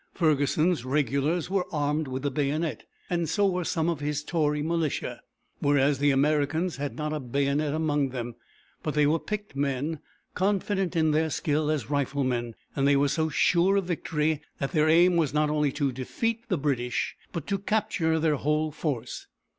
Ferguson's regulars were armed with the bayonet, and so were some of his Tory militia, whereas the Americans had not a bayonet among them; but they were picked men, confident in their skill as riflemen, and they were so sure of victory that their aim was not only to defeat the British but to capture their whole force.